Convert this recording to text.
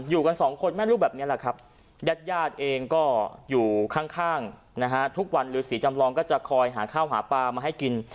อยู่กันสองคนแม่ลูกแบบนี้แหละครับญาติญาติเองก็อยู่ข้างนะฮะทุกวันฤษีจำลองก็จะคอยหาข้าวหาปลามาให้กิน